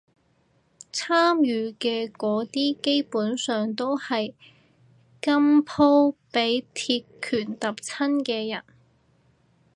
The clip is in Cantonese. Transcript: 參與嘅嗰啲基本上都係今鋪畀鐵拳揼親嘅人